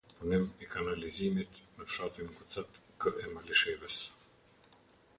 Punim i kanalizimit në fshatin ngucat k.e malishevës